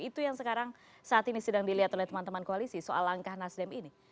itu yang sekarang saat ini sedang dilihat oleh teman teman koalisi soal langkah nasdem ini